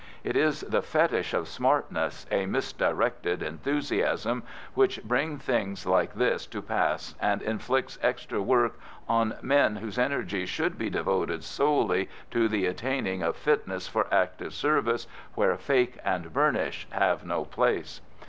It is the fetish of smartness, a misdirected enthusiasm, which brings things like this to pass and inflicts extra work on men whose energies should be devoted solely to the attaining of fitness for active service, where "fake and burnish" have no place.